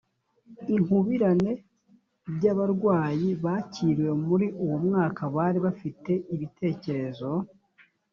inkubirane by abarwayi bakiriwe muri uwo mwaka bari bafite ibitekerezo